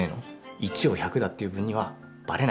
１を１００だって言う分にはバレなきゃＯＫ！